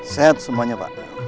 sehat semuanya pak